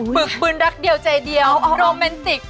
ฝึกปืนรักเดียวใจเดียวโรแมนติก